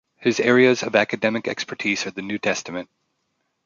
His areas of academic expertise are the New Testament.